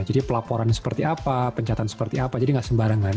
jadi pelaporan seperti apa pencatan seperti apa jadi tidak sembarangan